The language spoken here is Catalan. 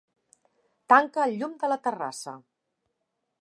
Tanca el llum de la terrassa.